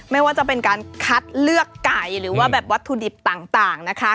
ไม่ว่าจะเป็นการคัดเลือกไก่หรือว่าแบบวัตถุดิบต่างนะคะ